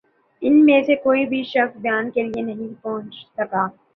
ان میں سے کوئی بھِی شخص بیان کے لیے نہیں پہنچ سکا